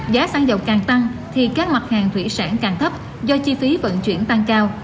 giá xăng dầu càng tăng thì các mặt hàng thủy sản càng thấp do chi phí vận chuyển tăng cao